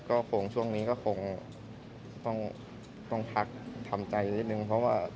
ก็คงช่วงนี้ก็คงต้องพักทำใจนิดนึงเพราะว่า